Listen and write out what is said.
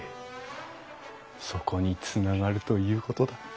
そこにつながるということだ。